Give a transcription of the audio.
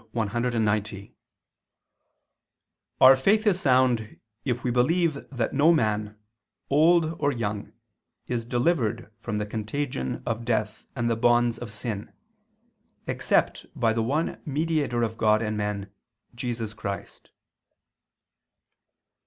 cxc): "Our faith is sound if we believe that no man, old or young is delivered from the contagion of death and the bonds of sin, except by the one Mediator of God and men, Jesus Christ."